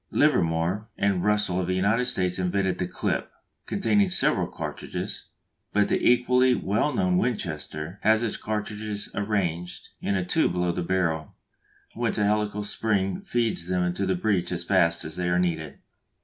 Livermore and Russell of the United States invented the "clip," containing several cartridges; but the equally well known Winchester has its cartridges arranged in a tube below the barrel, whence a helical spring feeds them to the breech as fast as they are needed.